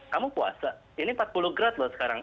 kamu puasa ini empat puluh grad loh sekarang